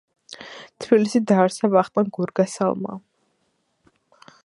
თბილი დაარსა ვახტანგ გორგასალმა